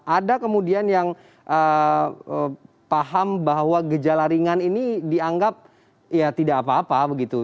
ada kemudian yang paham bahwa gejala ringan ini dianggap ya tidak apa apa begitu